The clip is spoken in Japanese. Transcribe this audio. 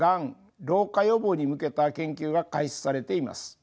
老化予防に向けた研究が開始されています。